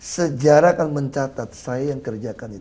sejarah kan mencatat saya yang kerjakan itu